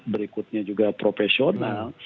berikutnya juga profesional